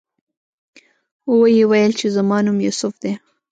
ویې ویل چې زما نوم یوسف دی.